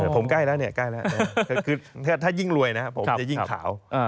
ผมใกล้แล้วถ้ายิ่งรวยผมจะยิ่งขาว